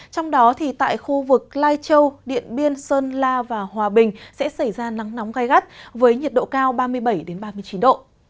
trong đó tại khu vực lai châu điện biên sơn la và hòa bình sẽ xảy ra nắng nóng gai gắt với nhiệt độ cao ba mươi bảy ba mươi chín độ